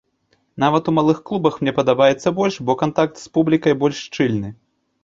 Нават у малых клубах мне падабаецца больш, бо кантакт з публікай больш шчыльны.